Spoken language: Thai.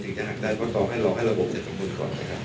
จึงจะหักได้เพราะต้องให้รอให้ระบบจัดสมบูรณ์ก่อนนะครับ